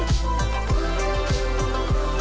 satu yang sangat penting adalah